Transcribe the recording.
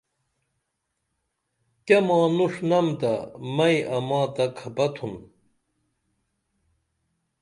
کیہ مانوݜنم تہ مئیں آماتہ کھپہ تُھن